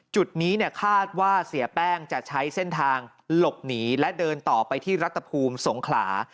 จุดนี้คาดว่าเสียแป้งจะใช้เส้นทางหลบหนีและเดินต่อไปที่รัฐภูมิสงขลา